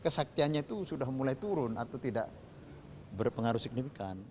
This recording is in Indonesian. kesaktiannya itu sudah mulai turun atau tidak berpengaruh signifikan